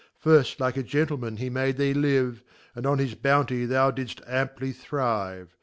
Firft like a Gentleman he made thee live; And on his Bounty thou didft amply thrive.